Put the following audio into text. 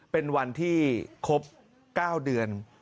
เป็นวันที่ครบ๙เดือน